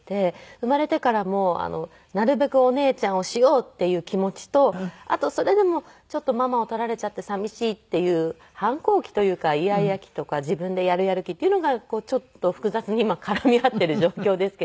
生まれてからもなるべくお姉ちゃんをしようっていう気持ちとあとそれでもちょっとママを取られちゃって寂しいっていう反抗期というかイヤイヤ期とか自分でやるやる期っていうのがちょっと複雑に今絡み合っている状況ですけれども。